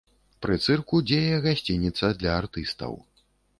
Пры цырку дзее гасцініца для артыстаў.